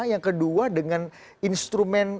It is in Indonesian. yang kedua dengan instrument